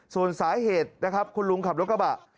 ส่วนสาเหตุนะครับคุณลุงขับรถกระบะ